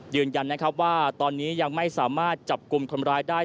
ยืนยันนะครับว่าตอนนี้ยังไม่สามารถจับกลุ่มคนร้ายได้